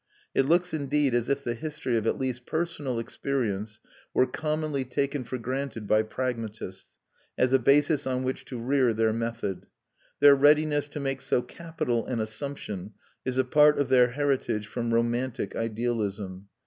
It looks, indeed, as if the history of at least personal experience were commonly taken for granted by pragmatists, as a basis on which to rear their method. Their readiness to make so capital an assumption is a part of their heritage from romantic idealism.